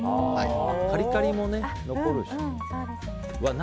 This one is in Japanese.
カリカリも残るしね。